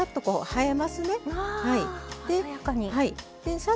はい。